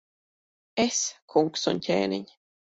Es, kungs un ķēniņ!